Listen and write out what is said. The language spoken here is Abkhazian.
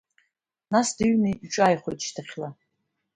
Нас дыҩны иҿааихоит шьҭахьла.